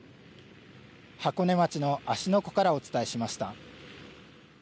箱根町の芦ノ湖からお伝えしました。